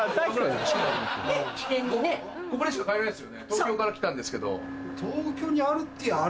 東京から来たんですけど。